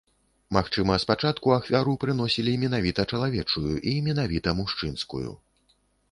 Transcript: Магчыма спачатку ахвяру прыносілі менавіта чалавечую і менавіта мужчынскую.